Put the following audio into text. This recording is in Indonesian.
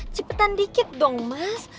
cepetan dikit dong mas